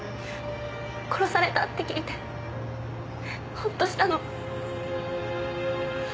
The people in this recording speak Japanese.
殺されたって聞いてホッとしたの。